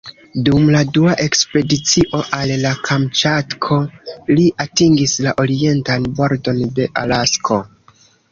Dum la dua ekspedicio al Kamĉatko, li atingis la orientan bordon de Alasko.